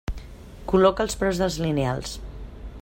Col·loca els preus dels lineals.